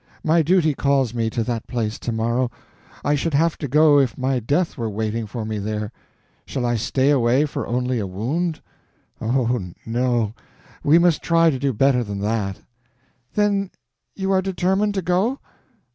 My duty calls me to that place to morrow; I should have to go if my death were waiting for me there; shall I stay away for only a wound? Oh, no, we must try to do better than that." "Then you are determined to go?"